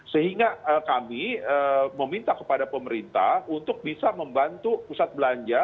sehingga kami meminta kepada pemerintah untuk bisa membantu pusat belanja